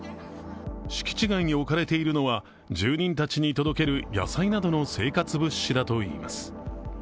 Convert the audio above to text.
敷地内に置かれているのは住人たちに届けられる野菜などの生活物資だといいます。